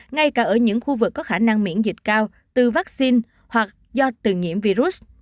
ngay cả ở những khu vực có khả năng miễn dịch cao từ vaccine hoặc do từng nhiễm virus